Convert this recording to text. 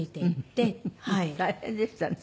大変でしたね。